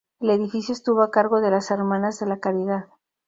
El edificio estuvo a cargo de las Hermanas de la Caridad.